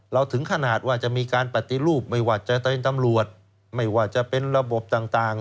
ถึงขนาดว่าจะมีการปฏิรูปไม่ว่าจะเป็นตำรวจไม่ว่าจะเป็นระบบต่าง